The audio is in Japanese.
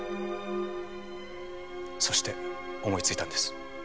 そして思いついたんです。